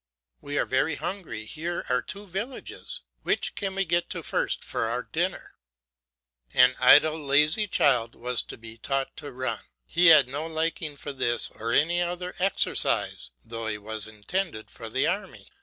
We are very hungry; here are two villages, which can we get to first for our dinner? An idle, lazy child was to be taught to run. He had no liking for this or any other exercise, though he was intended for the army.